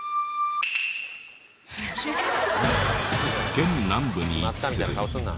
県南部に位置する愛南町。